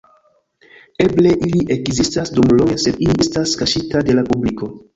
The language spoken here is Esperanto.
Eble ili ekzistas dum longe sed ili estas kaŝita de la publiko.